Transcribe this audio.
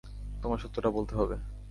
তোমায় সত্যটা বলতে হবে!